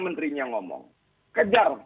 menterinya ngomong kejar